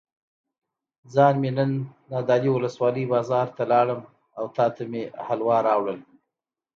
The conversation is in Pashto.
جان مې نن نادعلي ولسوالۍ بازار ته لاړم او تاته مې حلوا راوړل.